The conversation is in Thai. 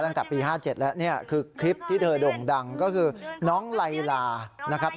ตั้งแต่ปี๕๗แล้วนี่คือคลิปที่เธอด่งดังก็คือน้องไลลานะครับ